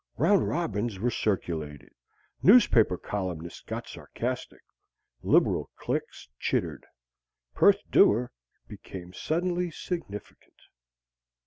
Round robins were circulated. Newspaper columnists got sarcastic. Liberal cliques chittered. Perth Dewar became suddenly significant.